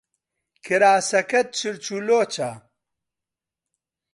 کراسەکەت چرچ و لۆچە.